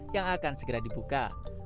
yang akan segera dibuka